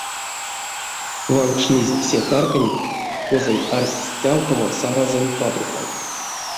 Ванкшнызь се тарканть, козонь арсесть стявтомо саразонь фабриканть.